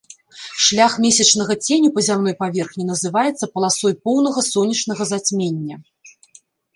Шлях месячнага ценю па зямной паверхні называецца паласой поўнага сонечнага зацьмення.